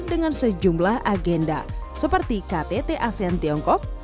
dengan sejumlah agenda seperti ktt asean tiongkok